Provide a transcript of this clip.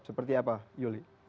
seperti apa yuli